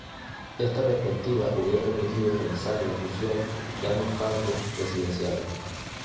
Esta perspectiva hubiera permitido realizar la fusión de ambos cargos presidenciales.